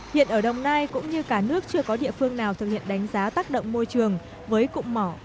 hiện ở đồng nai cũng như cả nước chưa có địa phương nào thực hiện đánh giá tác động môi trường với cụm mỏ